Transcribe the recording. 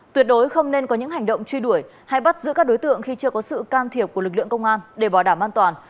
tuyệt đối không nên có những hành động truy đuổi hay bắt giữ các đối tượng khi chưa có sự can thiệp của lực lượng công an để bảo đảm an toàn